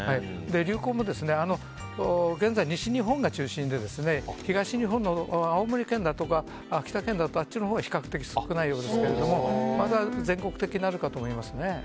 流行も現在、西日本が中心で東日本の青森県だとか秋田県だとかあっちのほうは比較的少ないようですけどもまた全国的になるかと思いますね。